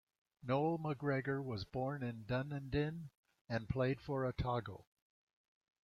Noel McGregor was born in Dunedin and played for Otago.